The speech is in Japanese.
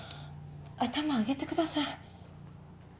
頭上げてください。